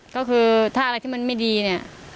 ก็คือถ้าอะไรที่มันไม่ดีเนี่ย